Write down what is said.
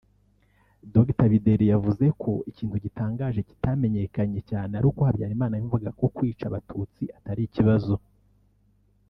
Dr Bideri yavuze ko ikintu gitandaje kitamenyekanye cyane ari uko Habyarimana yumvaga ko kwica abatutsi atari ikibazo